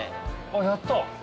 やったぁ。